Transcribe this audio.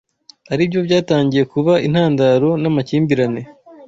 aribyo byatangiye kuba intandaro n’amakimbirane